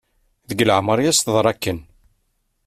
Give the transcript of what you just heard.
Deg leɛmer i as-teḍra akken.